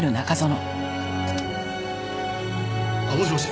もしもし？